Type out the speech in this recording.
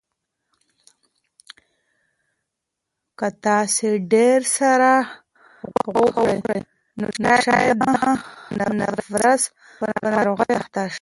که تاسو ډېره سره غوښه وخورئ نو شاید د نقرس په ناروغۍ اخته شئ.